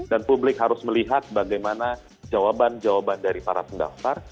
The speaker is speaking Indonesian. dan publik harus melihat bagaimana jawaban jawaban dari para penggabar